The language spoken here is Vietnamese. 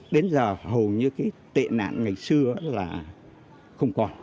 đến giờ hầu như cái tệ nạn ngày xưa là không còn